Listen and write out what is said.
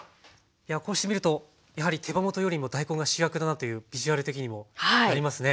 こうして見るとやはり手羽元よりも大根が主役だなというビジュアル的にもなりますね。